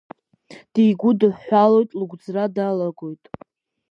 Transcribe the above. Дигәыдиҳәҳәалоит, лыгәӡра далагоит.